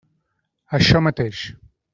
Això mateix.